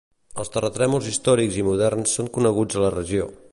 Els terratrèmols històrics i moderns són coneguts a la regió.